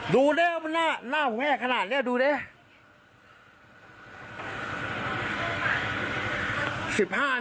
ดูด้วยวะหน้าผมแหกขนาดนี้ดูด้วย